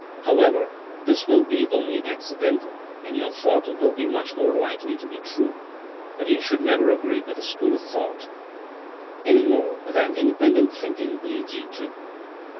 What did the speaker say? However, this will be only accidental, and your thought will be much more likely to be true. But you should never agree with a school of thought any more than independent thinking leads you to.